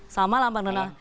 selamat malam bang donald